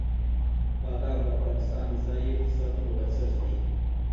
بادام د افغانستان د ځایي اقتصادونو بنسټ دی.